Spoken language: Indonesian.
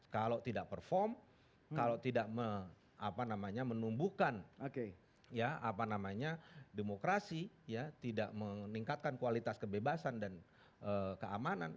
kalau tidak perform kalau tidak menumbuhkan demokrasi tidak meningkatkan kualitas kebebasan dan keamanan